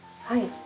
はい。